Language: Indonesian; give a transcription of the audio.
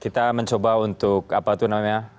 kita mencoba untuk apa itu namanya